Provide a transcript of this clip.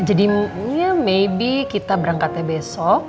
jadinya maybe kita berangkatnya besok